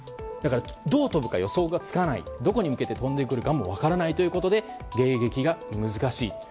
だから、どう飛ぶか予想がつかないどこに向けて飛んでくるかも分からないということで迎撃が難しい。